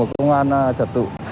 công an trật tự